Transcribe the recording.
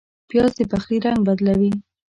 پیاز د پخلي رنګ بدلوي